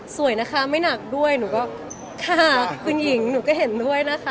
สวยนะคะไม่หนักด้วยหนูก็ค่ะคุณหญิงหนูก็เห็นด้วยนะคะ